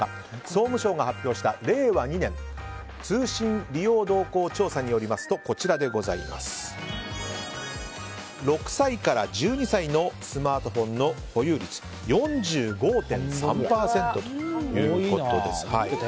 総務省が発表した令和２年通信利用動向調査によりますと６歳から１２歳のスマートフォンの保有率４５．３％ということです。